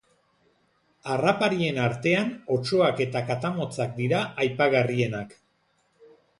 Harraparien artean otsoak eta katamotzak dira aipagarrienak.